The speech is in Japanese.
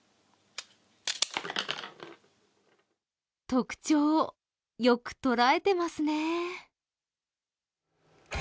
特徴、よくとらえてますね。